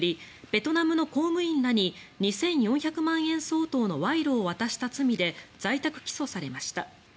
ベトナムの公務員らに２４００万円相当の賄賂を渡した罪で在宅起訴されました。